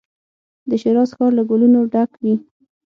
د شیراز ښار له ګلو نو ډک وي.